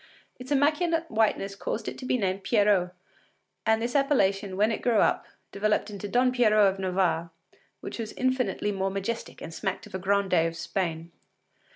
Its immaculate whiteness caused it to be named Pierrot, and this appellation, when it grew up, developed into Don Pierrot of Navarre, which was infinitely more majestic and smacked of a grandee of Spain.